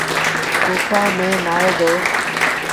ڪوپآن ميݩ نآئي دو۔